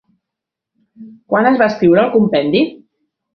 Quan es va escriure el compendi?